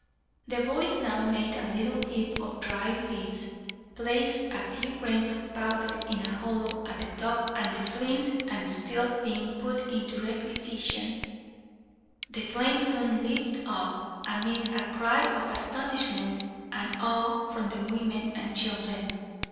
The boys now made a little heap of dried leaves, placed a few grains of powder in a hollow at the top and, the flint and steel being put into requisition, the flame soon leaped up, amid a cry of astonishment and awe from the women and children.